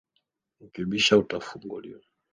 Ukibisha utafunguliwa.